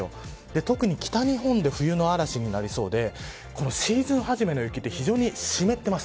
特に北日本で冬の嵐になりそうでシーズン初めの雪で非常に湿ってます。